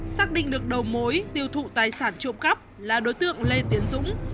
xác định được đầu mối tiêu thụ tài sản trộm cắp là đối tượng lê tiến dũng